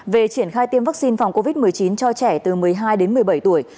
về triển khai tiêm vaccine phòng covid một mươi chín cho trẻ từ một mươi hai đến một mươi bảy tuổi